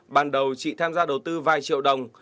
ban đầu chị tham gia đầu tư vài triệu đồng